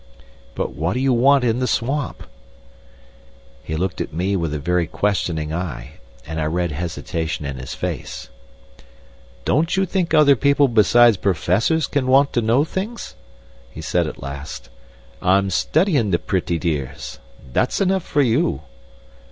"But what do you want in the swamp?" He looked at me with a very questioning eye, and I read hesitation in his face. "Don't you think other people besides Professors can want to know things?" he said at last. "I'm studyin' the pretty dears. That's enough for you."